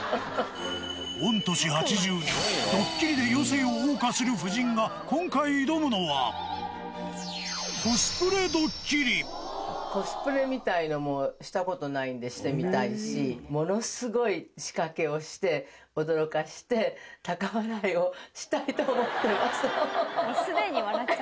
御年８２、ドッキリで余生をおう歌する夫人が、今回挑むのは、コスプレドッコスプレみたいなのしたことないのでしてみたいし、ものすごい仕掛けをして、驚かせて、高笑いをしたいと思っています。